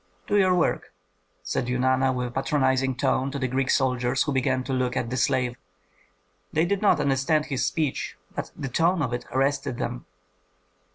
"Do your work," said Eunana, with a patronizing tone, to the Greek soldiers who began to look at the slave. They did not understand his speech, but the tone of it arrested them.